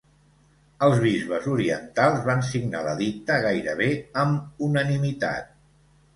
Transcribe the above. Els bisbes orientals van signar l'edicte gairebé amb unanimitat.